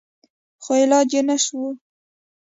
خو علاج يې نه و سوى.